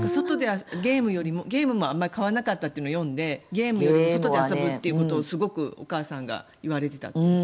ゲームもあまり買わなかったというのを読んでゲームより外で遊ぶことをすごくお母さんが言われていて。